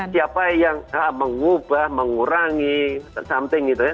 siapa yang mengubah mengurangi something gitu ya